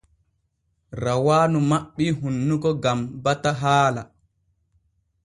Rawaanu maɓɓii hunnuko gam bata haala.